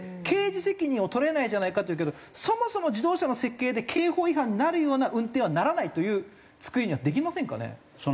刑事責任を取れないじゃないかっていうけどそもそも自動車の設計で刑法違反になるような運転はならないというつくりにはできませんかね？